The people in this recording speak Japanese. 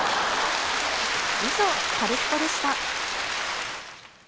以上、カルスポっ！でした。